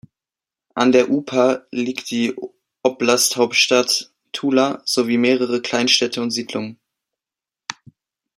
An der Upa liegt die Oblasthauptstadt Tula sowie mehrere Kleinstädte und Siedlungen.